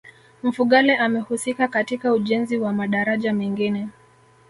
mfugale amehusika katika ujenzi wa madaraja mengine